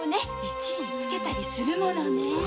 一字つけたりするものね。